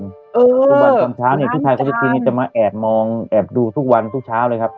ทุกวันต้นเช้าเนี้ยผู้ชายเขาทีนี้จะมาแอบมองแอบดูทุกวันทุกเช้าเลยครับ